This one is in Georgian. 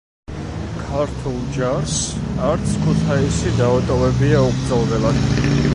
ქართულ ჯარს არც ქუთაისი დაუტოვებია უბრძოლველად.